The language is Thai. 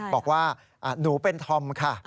บอกว่าหนูเป็นธอมค่ะ